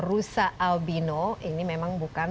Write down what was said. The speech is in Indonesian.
rusa albino ini memang bukan